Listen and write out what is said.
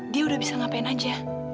dia udah bisa ngapain aja